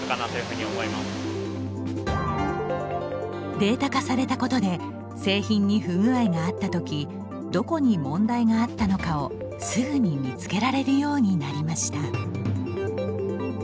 データ化されたことで製品に不具合があったときどこに問題があったのかをすぐに見つけられるようになりました。